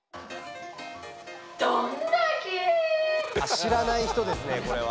知らない人ですねこれは。